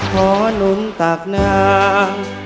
หนุนตากนาง